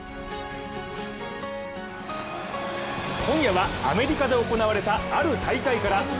今夜はアメリカで行われたある大会から。